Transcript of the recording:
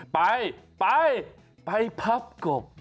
ไปไปพับกบ